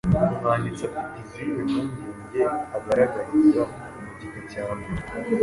Umwanditsi afite izihe mpungenge agaragariza mu gika cya mbere?